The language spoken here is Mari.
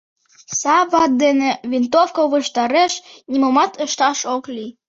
— Сава дене винтовко ваштареш нимомат ышташ ок лий.